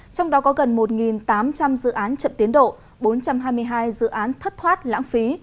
trong đó có gần một tám trăm linh dự án chậm tiến độ bốn trăm hai mươi hai dự án thất thoát lãng phí